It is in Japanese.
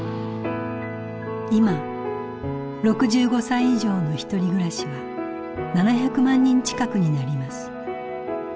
今６５歳以上のひとり暮らしは７００万人近くになります。